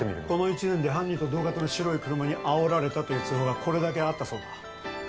この１年で犯人と同型の白い車にあおられたという通報がこれだけあったそうだ